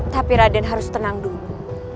tapi raden harus tenang dulu